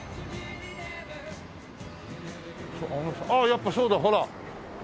やっぱそうだほら！